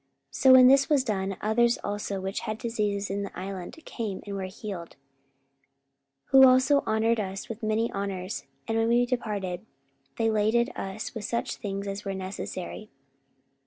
44:028:009 So when this was done, others also, which had diseases in the island, came, and were healed: 44:028:010 Who also honoured us with many honours; and when we departed, they laded us with such things as were necessary.